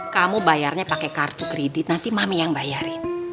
kamu bayarnya pakai kartu kredit nanti mami yang bayarin